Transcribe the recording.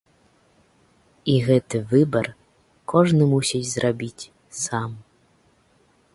І гэты выбар кожны мусіць зрабіць сам.